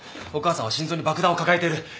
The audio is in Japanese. お母さんは心臓に爆弾を抱えてる。